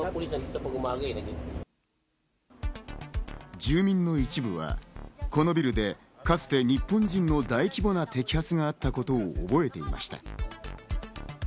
住民の一部は、このビルで、かつて日本人の大規模な摘発があったことを覚えていました。